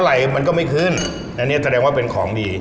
อะไรมันก็ไม่ขึ้นอันนี้แสดงว่าเป็นของดี